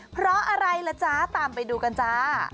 เพราะอะไรล่ะจ๊ะตามไปดูกันจ้า